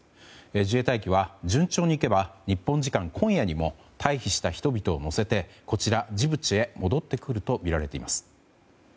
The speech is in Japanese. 自衛隊機は順調にいけば日本時間今夜にも退避した人々を乗せて、ジブチへ戻ってくるとみられています。